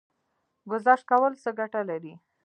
ګذشت کول څه ګټه لري؟